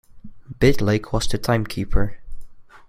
Bidlake was the timekeeper.